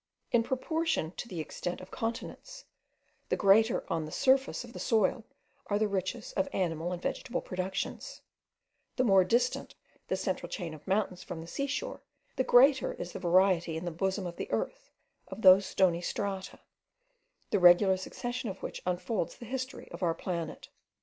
In proportion to the extent of continents, the greater on the surface of the soil are the riches of animal and vegetable productions; the more distant the central chain of mountains from the sea shore, the greater is the variety in the bosom of the earth, of those stony strata, the regular succession of which unfolds the history of our planet.